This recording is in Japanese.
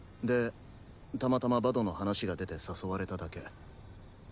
でたまたまバドの話が出て誘われただけ。